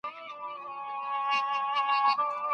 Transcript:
ذهن مو د زده کړې تږي وساتئ.